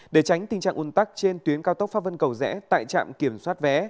để tránh tình trạng un tắc trên tuyến cao tốc pháp vân cầu rẽ tại trạm kiểm soát vé